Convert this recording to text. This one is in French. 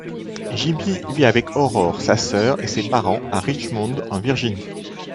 Jimmy vit avec Aurore, sa sœur et ses parents à Richmond en Virginie.